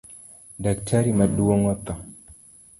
Daktari maduong otho